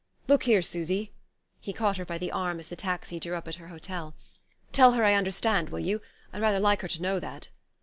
Look here, Susy..." he caught her by the arm as the taxi drew up at her hotel.... "Tell her I understand, will you? I'd rather like her to know that...."